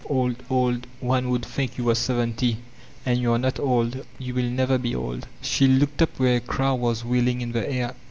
Old, old— one would think you were seventy. And you're not old; you will never beoU." She looked up where a crow was wheeling in the air.